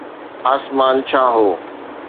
آسمان ڇا هو؟